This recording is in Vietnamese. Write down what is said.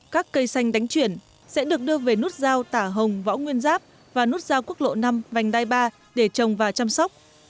các cây xanh đánh chuyển sẽ được đưa về nút giao tả hồng võ nguyên giáp và nút giao quốc lộ năm vành đai ba để trồng và chăm sóc